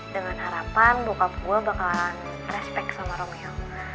dengan harapan bokap gue bakalan respect sama romeo